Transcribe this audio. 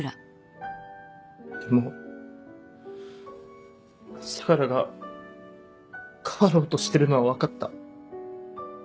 でも相楽が変わろうとしてるのは分かった。